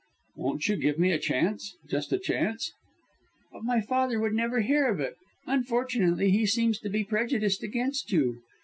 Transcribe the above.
"Won't you give me a chance, just a chance?" "But my father would never hear of it. Unfortunately he seems to be prejudiced against you.